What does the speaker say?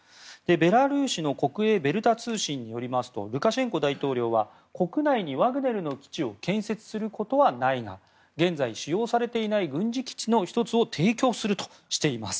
ベラルーシの国営ベルタ通信によりますとルカシェンコ大統領は国内にワグネルの基地を建設することはないが現在、使用されていない軍事基地の１つを提供するとしています。